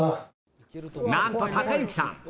なんと隆行さん